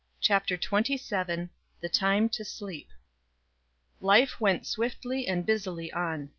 CHAPTER XXVII. THE TIME TO SLEEP Life went swiftly and busily on.